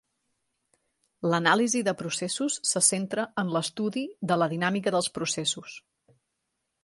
L'anàlisi de processos se centra en l'estudi de la dinàmica dels processos.